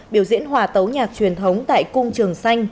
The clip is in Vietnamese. biểu diễn hòa tấu nhạc truyền thống tại cung trường xanh